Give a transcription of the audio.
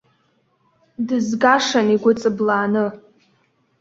Дызгашан игәы ҵыблааны.